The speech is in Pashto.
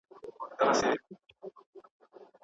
حکومتونه څنګه سیاسي بندیان خوشي کوي؟